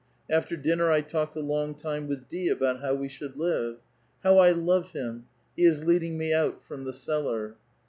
After dinner, I talked a long time with L). about how we should live. How I love him I lie is leading me out from the cellar